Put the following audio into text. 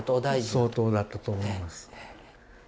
相当だったと思います。